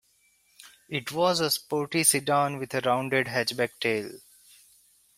It was a sporty sedan with a rounded hatchback tail.